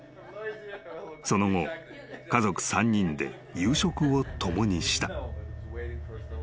［その後家族３人で夕食を共にした］